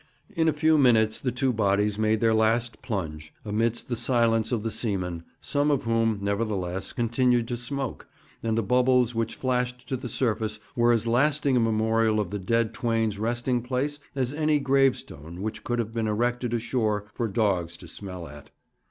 In a few minutes the two bodies made their last plunge, amidst the silence of the seamen, some of whom, nevertheless, continued to smoke, and the bubbles which flashed to the surface were as lasting a memorial of the dead twain's resting place as any gravestone which could have been erected ashore for dogs to smell at.